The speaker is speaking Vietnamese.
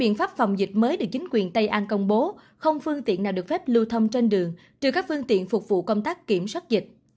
nhưng chính quyền tây an công bố không phương tiện nào được phép lưu thông trên đường trừ các phương tiện phục vụ công tác kiểm soát dịch